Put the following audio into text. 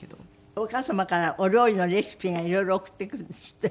お母様からお料理のレシピがいろいろ送ってくるんですって？